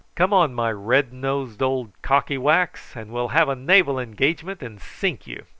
Come on, my red nosed old cocky wax, and we'll have a naval engagement, and sink you."